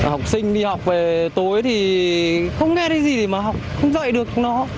học sinh đi học về tối thì không nghe thấy gì để mà học không dạy được nó